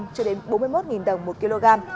cho đến bốn mươi một đồng một kg